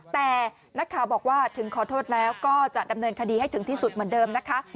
แต่นักข่าวบอกว่าถึงขอโทษแล้วก็จะดำเนินคดีให้ถึงที่สุดเหมือนเดิมนะคะ